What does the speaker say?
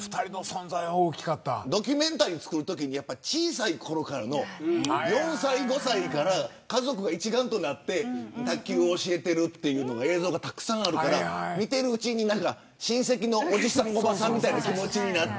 ドキュメンタリーを作るとき４歳５歳から家族が一丸となって卓球を教えている映像がたくさんあるから見ているうちに親戚のおじさん、おばさんみたいな気持ちになって。